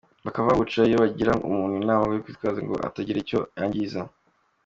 Bakaba bawuca iyo bagira umuntu inama yo kwitwararika ngo atagira ibyo yangiza.